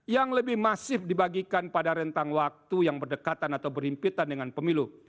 yang lebih masif dibagikan pada rentang waktu yang berdekatan atau berhimpitan dengan pemilu